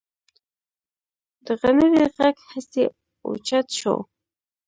د غنړې غږ هسې اوچت شو.